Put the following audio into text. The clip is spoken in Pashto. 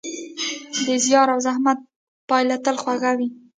د زیار او زحمت پایله تل خوږه وي.